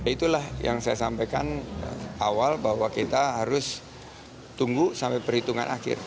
itulah yang saya sampaikan awal bahwa kita harus tunggu sampai perhitungan akhir